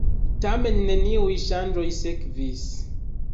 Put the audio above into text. Tamen neniuj ŝanĝoj sekvis.